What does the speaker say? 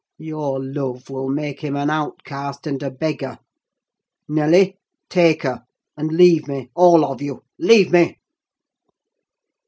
Your love will make him an outcast and a beggar. Nelly, take her; and leave me, all of you! Leave me!"